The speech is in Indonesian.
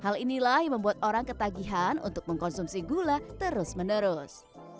hal inilah yang membuat orang ketagihan untuk mengkonsumsi gula terus menerus